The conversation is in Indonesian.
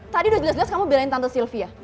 tadi udah jelas jelas kamu belain tante sylvia